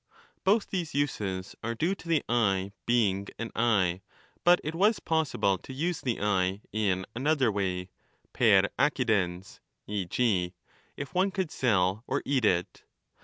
Both these uses are due to the eye being an eye, but it was possible to 30 use the eye in another way — per accidens^ e. g. if one could sell or eat it.